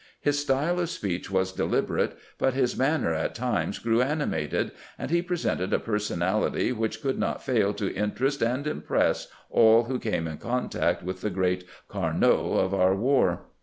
His style of speech was deliberate, but his manner at times grew animated, and he presented a personality which could not fail to interest and impress all who came in contact with the great Carnot of our war.